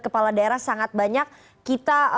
kepala daerah sangat banyak kita